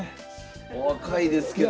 お若いですけども。